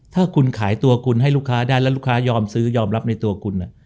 ถ้าคุณขายตัวคุณให้ลูกค้าได้แล้วลูกค้ายอมซื้อยอมรับในตัวคุณ